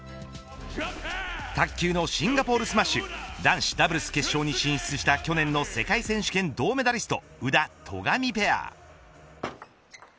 卓球のシンガポールスマッシュ男子ダブルス決勝に進出した去年の世界選手権銅メダリスト宇田・戸上ペア。